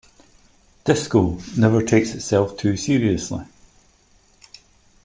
Disco never takes itself too seriously.